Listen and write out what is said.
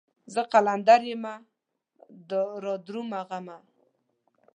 زه قلندر يمه رادرومه غمه